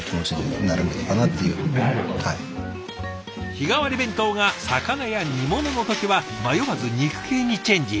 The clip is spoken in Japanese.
日替わり弁当が魚や煮物の時は迷わず肉系にチェンジ！